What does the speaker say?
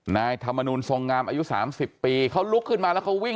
นายธรรมนูลทรงงามอายุ๓๐ปีเขาลุกขึ้นมาแล้วเขาวิ่ง